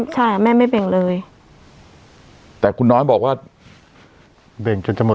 ใช่แม่ไม่เบ่งเลยแต่คุณน้อยบอกว่าเบ่งจนจะหมด